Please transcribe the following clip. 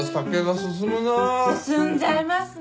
進んじゃいますね。